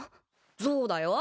そうだよ。